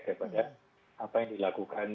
daripada apa yang dilakukan